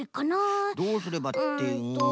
どうすればってうん。